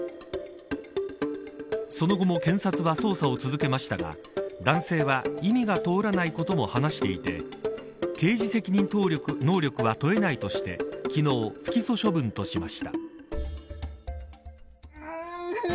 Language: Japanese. その後も検察は捜査を続けましたが男性は意味が通らないことを話していて刑事責任能力は問えないとして昨日、不起訴処分としました。